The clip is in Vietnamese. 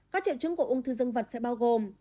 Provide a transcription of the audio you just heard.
các triệu chứng của ung thư dân vật sẽ bao gồm